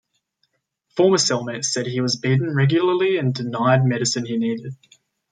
Former cellmates said he was beaten regularly and denied medicine he needed.